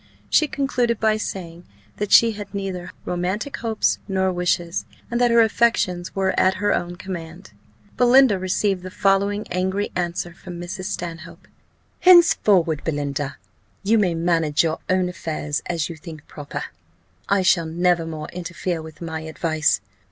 She concluded by saying, that she had neither romantic hopes nor wishes, and that her affections were at her own command. Belinda received the following angry answer from Mrs. Stanhope: "Henceforward, Belinda, you may manage your own affairs as you think proper; I shall never more interfere with my advice.